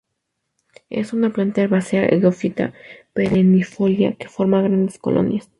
Es una planta herbácea geófita perennifolia que forma grandes colonias.